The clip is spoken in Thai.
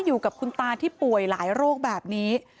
อยู่กับคุณตาที่ป่วยหลายโรคแบบนี้